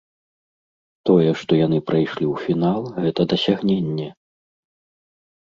Тое, што яны прайшлі ў фінал гэта дасягненне.